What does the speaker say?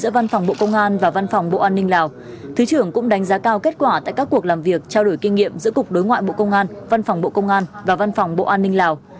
văn phòng bộ an ninh lào thứ trưởng cũng đánh giá cao kết quả tại các cuộc làm việc trao đổi kinh nghiệm giữa cục đối ngoại bộ công an văn phòng bộ công an và văn phòng bộ an ninh lào